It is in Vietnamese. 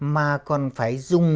mà còn phải dùng